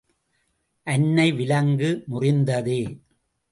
அன்னை விலங்கு முறிந்ததே!